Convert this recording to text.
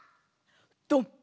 ドン！